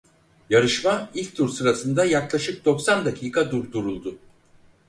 Yarışma ilk tur sırasında yaklaşık doksan dakika durduruldu.